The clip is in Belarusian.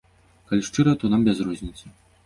Калі шчыра, то нам без розніцы.